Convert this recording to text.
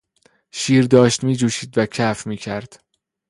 شیر داشت میجوشید و کف میکرد.